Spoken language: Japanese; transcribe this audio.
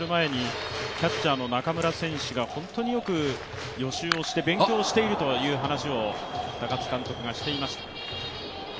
中村選手が本当によく予習をして勉強しているという話を高津監督がしていました。